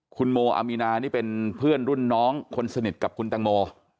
คุณโมอามีนานี่เป็นเพื่อนรุ่นน้องคนสนิทกับคุณตังโม